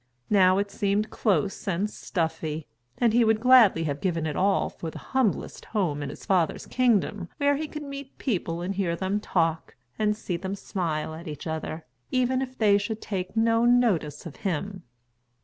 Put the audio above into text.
Now it seemed close and stuffy, and he would gladly have given it all for the humblest home in his father's kingdom where he could meet people and hear them talk, and see them smile at each other, even if they should take no notice of him.